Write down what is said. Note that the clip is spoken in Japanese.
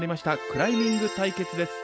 クライミング対決です。